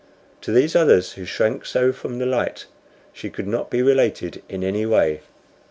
To these others who shrank so from the light she could not be related in any way.